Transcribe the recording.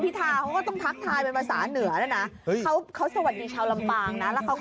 พวกเราอย่าเบื่อการเมือง